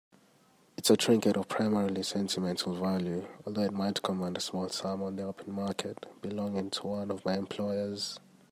It's a trinket of primarily sentimental value, although it might command a small sum on the open market, belonging to one of my employers.